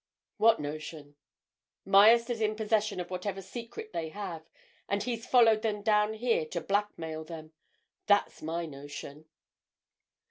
"What notion?" "Myerst is in possession of whatever secret they have, and he's followed them down here to blackmail them. That's my notion."